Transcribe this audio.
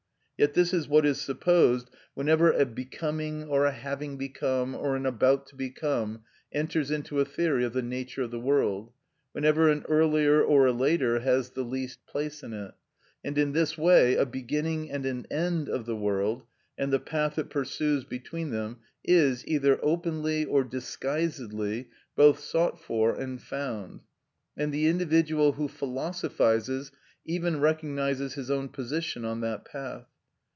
Yet this is what is supposed whenever a "becoming," or a "having become," or an "about to become" enters into a theory of the nature of the world, whenever an earlier or a later has the least place in it; and in this way a beginning and an end of the world, and the path it pursues between them, is, either openly or disguisedly, both sought for and found, and the individual who philosophises even recognises his own position on that path.